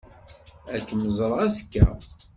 Ad kem-ẓṛeɣ azekka.